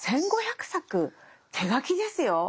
１，５００作手書きですよ！